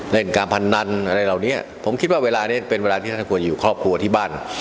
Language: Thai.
เล่นการพนันอะไรเหล่านี้ผมคิดว่าเวลานี้เป็นเวลาที่ท่านควรจะอยู่ครอบครัวที่บ้าน